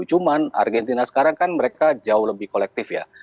cuma argentina sekarang kan mereka jauh lebih kolektif ya